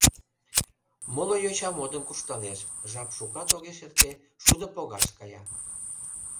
Моло йоча модын куржталеш, жап шукат огеш эрте, шудо погаш кая.